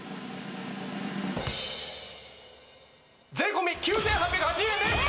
税込９８８０円です！